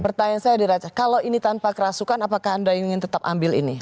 pertanyaan saya diraca kalau ini tanpa kerasukan apakah anda ingin tetap ambil ini